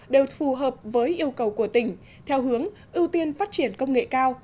đều phù hợp với yêu cầu của tỉnh theo hướng ưu tiên phát triển công nghệ cao